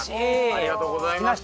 ありがとうございます。